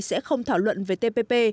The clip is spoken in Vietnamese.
sẽ không thảo luận về tpp